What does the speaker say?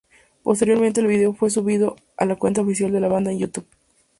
Posteriormente, el video fue subido a la cuenta oficial de la banda en YouTube.